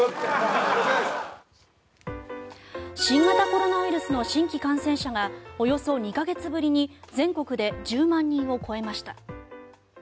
新型コロナウイルスの新規感染者がおよそ２か月ぶりに全国で１０万人を超えました。